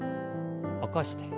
起こして。